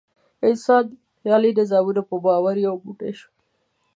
انسان د خیالي نظامونو په باور یو موټی شوی.